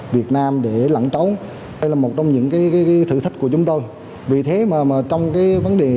việt nam để lặng trống đây là một trong những thử thách của chúng tôi vì thế mà trong vấn đề